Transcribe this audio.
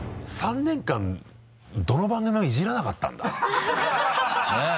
３年間どの番組もイジらなかったんだ？ねぇ。